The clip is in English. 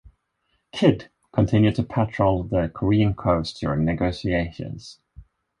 "Kidd" continued to patrol the Korean coast during negotiations.